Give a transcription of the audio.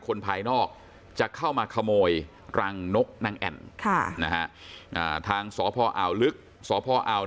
ภายนอกจะเข้ามาขโมยรังนกนางแอ่นทางสพอ่าวลึกสพอาว